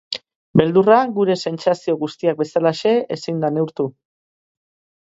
Beldurra, gure sentsazio guztiak bezalaxe ezin da neurtu.